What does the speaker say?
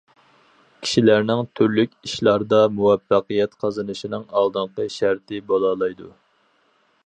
كىشىلەرنىڭ تۈرلۈك ئىشلاردا مۇۋەپپەقىيەت قازىنىشىنىڭ ئالدىنقى شەرتى بولالايدۇ.